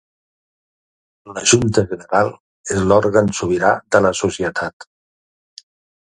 La Junta General és l'òrgan sobirà de la societat.